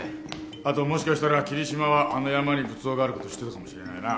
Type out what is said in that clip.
あともしかしたら霧島はあの山に仏像がある事を知ってたかもしれないな。